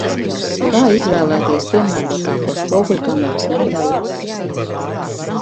Kā izvēlēties piemērotāko spoguļkameras modeli?